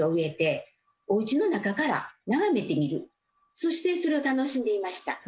そしてそれを楽しんでいました。